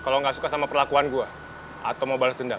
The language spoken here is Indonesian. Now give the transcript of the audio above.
yang ngajak berantem